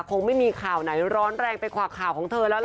คงไม่มีข่าวไหนร้อนแรงไปกว่าข่าวของเธอแล้วล่ะ